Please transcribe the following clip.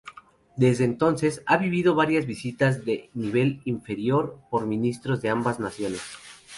Desde entonces, ha habido varias visitas de nivel inferior por ministros de ambas naciones.